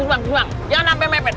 jangan sampai mepet